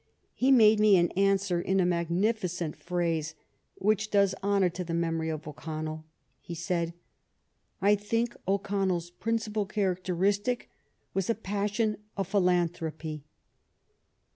He made me an answer in a magnificent phrase which does honor to the memory of O'Connell. He said :" I think O'Con nell's principal characteristic was a passion of philanthropy."